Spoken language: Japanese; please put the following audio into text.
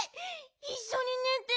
いっしょにねて。